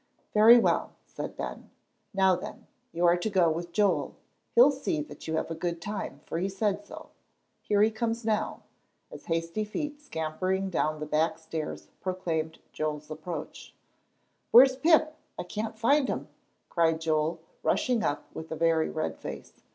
"Very well," said Ben. "Now then, you are to go with Joel. He'll see that you have a good time, for he said so. Here he comes now," as hasty feet scampering down the back stairs proclaimed Joel's approach. "Where's Pip? I can't find him," cried Joel, rushing up with a very red face.